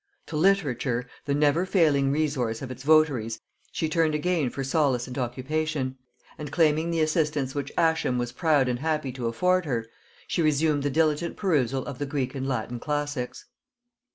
To literature, the never failing resource of its votaries, she turned again for solace and occupation; and claiming the assistance which Ascham was proud and happy to afford her, she resumed the diligent perusal of the Greek and Latin classics.